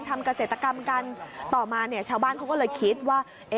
เกษตรกรรมกันต่อมาเนี่ยชาวบ้านเขาก็เลยคิดว่า